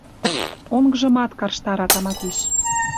Онгжымат карштара тама пиш.